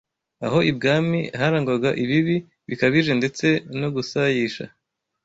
Aho ibwami harangwaga ibibi bikabije ndetse no gusayisha